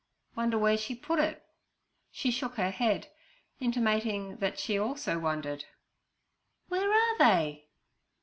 'Wonder where she put it.' She shook her head, intimating that she also wondered. 'Where are they?'